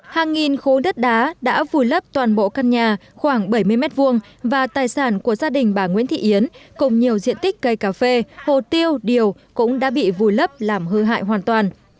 hàng nghìn khối đất đá đã vùi lấp toàn bộ căn nhà khoảng bảy mươi m hai và tài sản của gia đình bà nguyễn thị yến cùng nhiều diện tích cây cà phê hồ tiêu điều cũng đã bị vùi lấp làm hư hại hoàn toàn